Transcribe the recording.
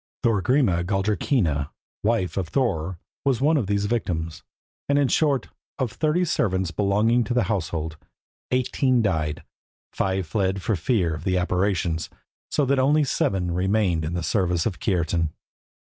Thorgrima Galldrakinna, wife of Thorer, was one of these victims, and, in short, of thirty servants belonging to the household, eighteen died, and five fled for fear of the apparitions, so that only seven remained in the service of Kiartan.